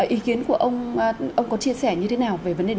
ý kiến của ông ông có chia sẻ như thế nào